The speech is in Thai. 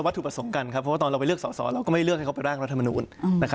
คือเราต้องการตัวแทนของประชาชนไป